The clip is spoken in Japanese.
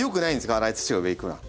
粗い土が上行くのは。